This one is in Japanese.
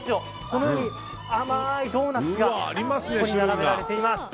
このように甘いドーナツが並べられています。